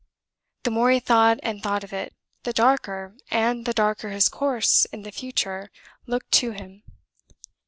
The more he thought and thought of it, the darker and the darker his course in the future looked to him.